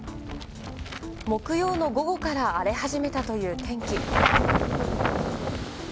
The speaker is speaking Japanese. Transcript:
木曜の午後から荒れ始めたという天気。